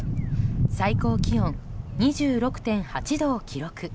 最高気温２６．８度を記録。